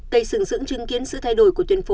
cây sừng dưỡng chứng kiến sự thay đổi của tuyến phố